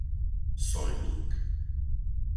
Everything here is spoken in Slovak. Soľník